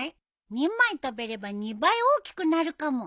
２枚食べれば大きくなるかも！